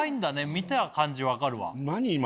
見た感じ分かるわ。